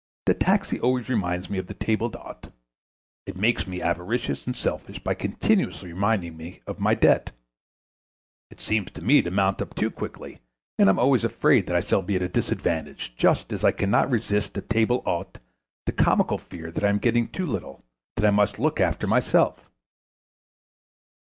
The taxi always reminds me of the table d'hôte. It makes me avaricious and selfish by continuously reminding me of my debt. It seems to me to mount up too quickly, and I am always afraid that I shall be at a disadvantage, just as I cannot resist at table d'hôte the comical fear that I am getting too little, that I must look after myself."